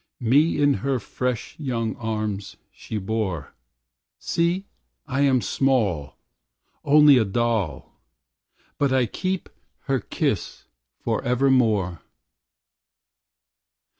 Me in her fresh young arms she bore. See, I am small, Only a doll. But I keep her kiss forevermore.